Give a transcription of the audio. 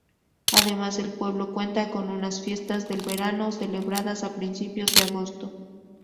Además el pueblo cuenta con unas fiestas "del verano" celebradas a principios de agosto.